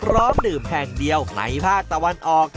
ดื่มแห่งเดียวในภาคตะวันออก